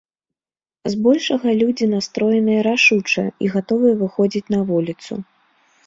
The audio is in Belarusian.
Збольшага людзі настроеныя рашуча і гатовыя выходзіць на вуліцу.